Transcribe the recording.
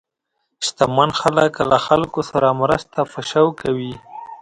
شتمن خلک له خلکو سره مرسته په شوق کوي.